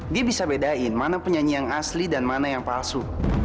dia bisa bedain mana penyanyi yang asli dan mana yang palsu